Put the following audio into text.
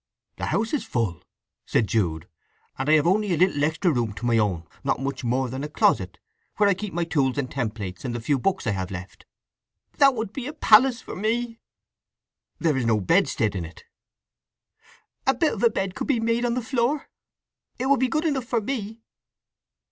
"The house is full," said Jude. "And I have only a little extra room to my own—not much more than a closet—where I keep my tools, and templates, and the few books I have left!" "That would be a palace for me!" "There is no bedstead in it." "A bit of a bed could be made on the floor. It would be good enough for me."